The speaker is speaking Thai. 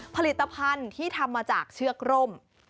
ผลิตภัณฑ์ที่ทำมาจากเชือกร่ม